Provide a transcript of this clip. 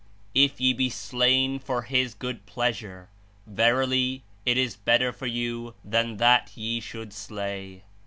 "If ye be slain for His good pleasure, verily it is better for you than that ye should slay."